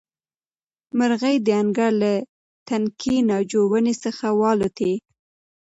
مرغۍ د انګړ له دنګې ناجو ونې څخه والوتې.